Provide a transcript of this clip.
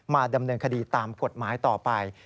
ดำเนินคดีตามกฎหมายต่อไป